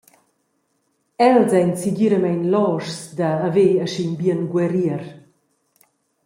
Els ein segiramein loschs da haver aschia in bien guerrier.